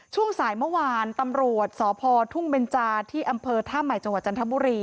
ช่วงสายเมื่อวานตำรวจสพทุ่งเบนจาที่อำเภอท่าใหม่จังหวัดจันทบุรี